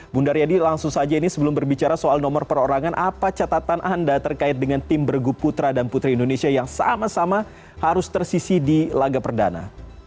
bundar yadi langsung saja ini sebelum berbicara soal nomor perorangan apa catatan anda terkait dengan tim bergu putra dan putri indonesia yang sama sama harus tersisi di laga perdana